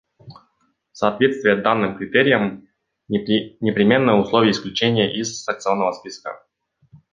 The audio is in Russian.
Соответствие данным критериям — непременное условие исключения из санкционного списка.